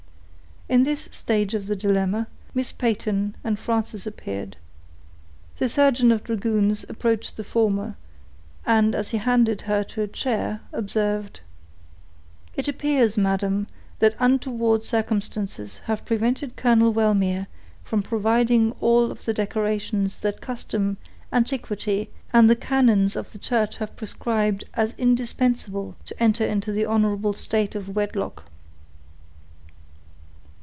In this stage of the dilemma, Miss Peyton and Frances appeared. The surgeon of dragoons approached the former, and as he handed her to a chair, observed,— "It appears, madam, that untoward circumstances have prevented Colonel Wellmere from providing all of the decorations that custom, antiquity, and the canons of the church have prescribed, as indispensable to enter into the honorable state of wedlock."